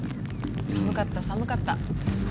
寒かった寒かった。